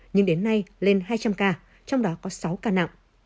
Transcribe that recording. nhưng đến nay lên hai trăm linh ca trong đó có sáu ca nặng